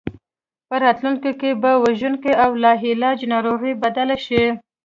په راتلونکي کې په وژونکي او لاعلاجه ناروغۍ بدل شي.